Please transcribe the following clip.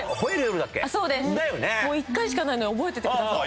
１回しかないのに覚えててくださって。